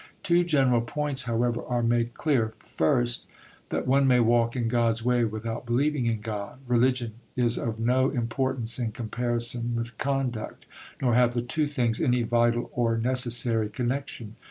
Two general points, however, are made clear: First, that one may walk in God's way without believing in God. Religion is of no importance in comparison with conduct, nor have the two things any vital or necessary connexion.